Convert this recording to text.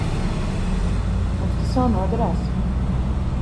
Mums tas vēl noderēs.